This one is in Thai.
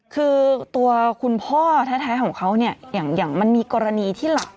คือตัวคุณพ่อแท้ของเขาเนี่ยอย่างมันมีกรณีที่หลัก